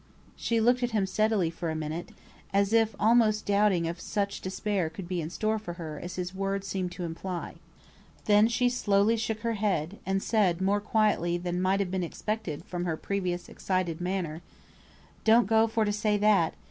She looked at him steadily for a minute, as if almost doubting if such despair could be in store for her as his words seemed to imply. Then she slowly shook her head, and said, more quietly than might have been expected from her previous excited manner, "Don't go for to say that!